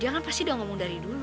dia kan pasti udah ngomong dari dulu